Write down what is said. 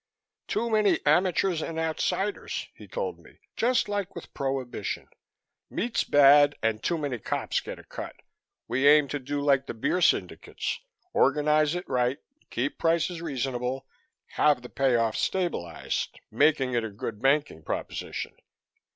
"Too many amateurs and outsiders," he told me, "just like with Prohibition. Meat's bad and too many cops get a cut. We aim to do like the beer syndicates organize it right, keep prices reasonable, have the pay off stabilized, make it a good banking proposition.